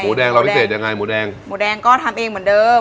แดงเราพิเศษยังไงหมูแดงหมูแดงก็ทำเองเหมือนเดิม